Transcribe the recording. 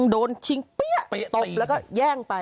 โดนชิงเปี้ยตบแล้วก็แย่งไป